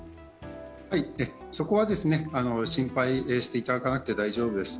そこは心配していただかなくて大丈夫です。